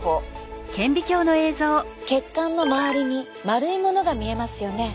血管の周りに丸いものが見えますよね。